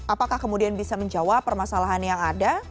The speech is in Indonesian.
apakah kemudian bisa menjawab permasalahan yang ada